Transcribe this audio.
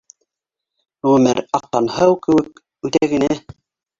Ғүмер, аҡҡан һыу кеүек, үтә генә